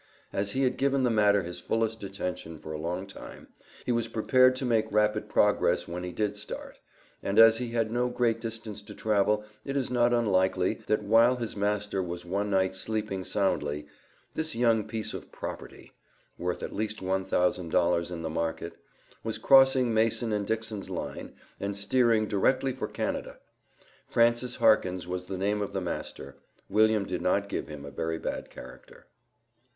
As he had given the matter his fullest attention for a long time, he was prepared to make rapid progress when he did start, and as he had no great distance to travel it is not unlikely, that while his master was one night sleeping soundly, this young piece of property (worth at least $1,000 in the market), was crossing Mason and Dixon's Line, and steering directly for Canada. Francis Harkins was the name of the master. William did not give him a very bad character.